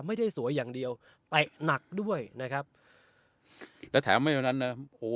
ไม่ได้สวยอย่างเดียวแต่หนักด้วยนะครับแล้วแถมไม่ว่านั้นอ่ะโห